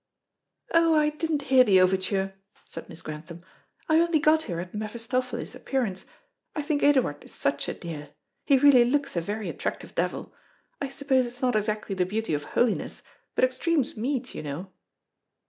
"Oh, I didn't hear the overture," said Miss Grantham. "I only got here at Mephistopheles' appearance. I think Edouard is such a dear. He really looks a very attractive devil. I suppose it's not exactly the beauty of holiness, but extremes meet, you know."